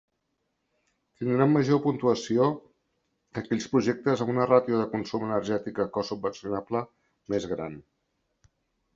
Tindran major puntuació aquells projectes amb una ràtio de consum energètic a cost subvencionable més gran.